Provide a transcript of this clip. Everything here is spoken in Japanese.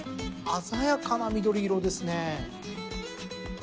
鮮やかな緑色ですね。